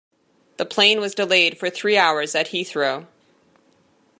The plane was delayed for three hours at Heathrow